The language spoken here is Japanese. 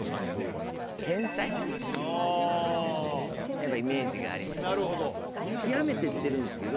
やっぱイメージがありますね。